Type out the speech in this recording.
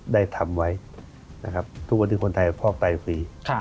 ได้ทำไว้นะครับทุกวันที่คนไทยพอกไปฟรี